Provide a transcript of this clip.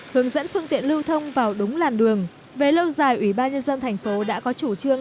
hướng dẫn phương tiện lưu thông vào đúng làn đường về lâu dài ủy ban nhân dân thành phố đã có chủ trương